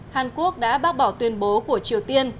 hàn quốc đã bác bỏ tuyên bố của triều tiên